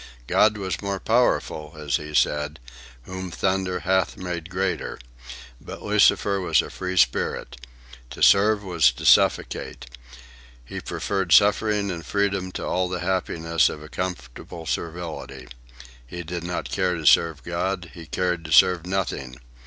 God was more powerful, as he said, Whom thunder hath made greater. But Lucifer was a free spirit. To serve was to suffocate. He preferred suffering in freedom to all the happiness of a comfortable servility. He did not care to serve God. He cared to serve nothing.